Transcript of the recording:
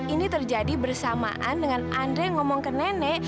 ini terjadi bersamaan dengan andre yang ngomong ke nenek